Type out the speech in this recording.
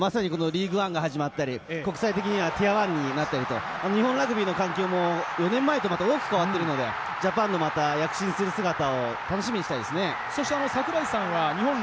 国内という意味ではリーグワンが始まったり、国際的にはティア１になったりと、日本ラグビーの関係も４年前とは大きく変わってるので、ジャパンのまた躍進する姿を楽しみにしたいですね。